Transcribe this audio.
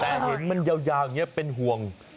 แต่เห็นมันยาวอย่างนี้เป็นห่วง